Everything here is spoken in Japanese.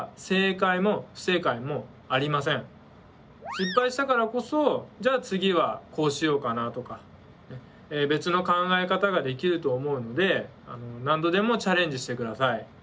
失敗したからこそじゃあ次はこうしようかなとか別の考え方ができると思うので何度でもチャレンジしてください。